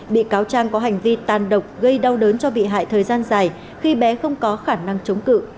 bị cáo trang có hành vi tàn độc gây đau đớn cho bị hại thời gian dài khi bé không có khả năng chống cự